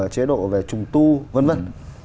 chế độ về trùng tu vân vân